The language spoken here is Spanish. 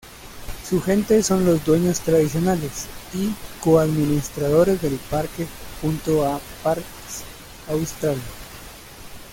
Su gente son los dueños tradicionales y co-administradores del parque junto a Parks Australia.